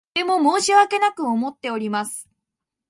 とても申し訳なく思っております。